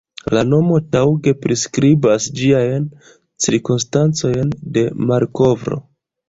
La nomo taŭge priskribas ĝiajn cirkonstancojn de malkovro.